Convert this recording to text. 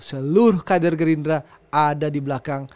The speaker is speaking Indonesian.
seluruh kader gerindra ada di belakang